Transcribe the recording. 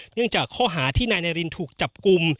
เนื่องจากข้อหาที่นายนารินถูกจับกลุ่ม